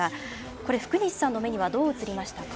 これ福西さんの目にはどう映りましたか？